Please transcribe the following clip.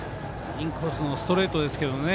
インコースのストレートですけどね。